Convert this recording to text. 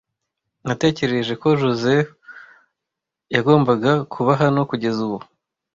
Natekereje ko Josehl yagombaga kuba hano kugeza ubu.